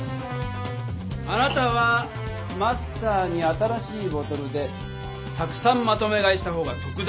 あなたはマスターに新しいボトルでたくさんまとめ買いした方がとくだと持ちかけた。